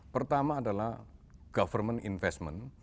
pertama adalah government investment